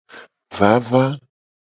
Vava.